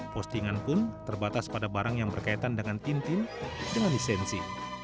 postingan pun terbatas pada barang yang berkaitan dengan tintin dengan lisensi